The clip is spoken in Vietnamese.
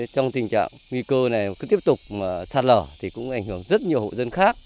trong tình trạng nguy cơ cứ tiếp tục sạt lở thì cũng ảnh hưởng rất nhiều hộ dân khác